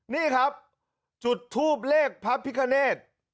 นี่ครับจุดทูปเลขพับพิกาเนต